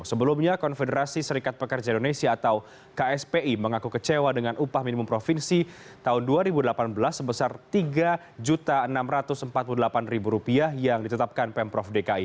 sebelumnya konfederasi serikat pekerja indonesia atau kspi mengaku kecewa dengan upah minimum provinsi tahun dua ribu delapan belas sebesar rp tiga enam ratus empat puluh delapan yang ditetapkan pemprov dki